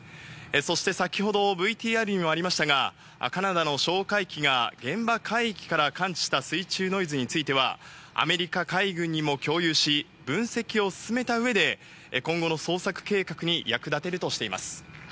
そして先ほどＶＴＲにもありましたがカナダの哨戒機が現場海域から感知した水中ノイズについてはアメリカ海軍にも共有し分析を進めたうえで今後の捜索計画に役立てるとしています。